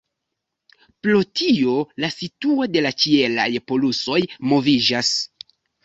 Pro tio la situo de la ĉielaj polusoj moviĝas.